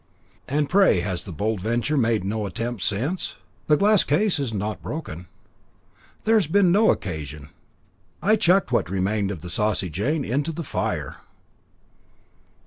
"And, pray, has the Bold Venture made no attempt since? The glass case is not broken." "There's been no occasion. I chucked what remained of the Saucy Jane into the fire."